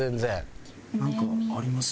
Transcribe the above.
なんかあります？